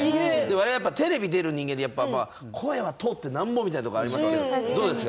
我々、テレビ出る人間は声は通ってなんぼみたいなところありますけどどうですか？